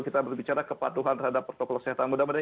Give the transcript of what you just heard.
kita berbicara kepatuhan terhadap protokol kesehatan muda muda